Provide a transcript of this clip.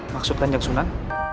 maksud kajang sunan